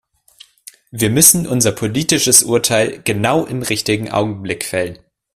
Wir müssen unser politisches Urteil genau im richtigen Augenblick fällen.